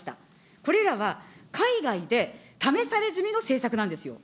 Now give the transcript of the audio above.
これらは海外で試され済みの政策なんですよ。